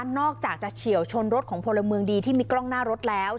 นอกจากจะเฉียวชนรถของพลเมืองดีที่มีกล้องหน้ารถแล้ว